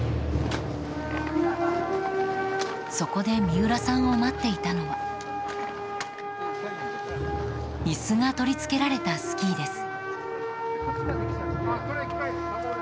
そこで三浦さんを待っていたのは椅子が取り付けられたスキーです。